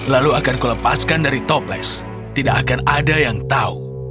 lalu akan ku lepaskan dari toples tidak akan ada yang tahu